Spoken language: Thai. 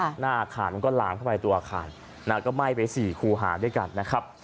หน้าอาคารมันก็หลามเข้าไปตัวอาคารนะฮะก็ไหม้ไปสี่คูหาด้วยกันนะครับ